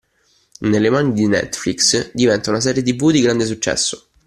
Nelle mani di Netflix diventa una serie tv di grande successo.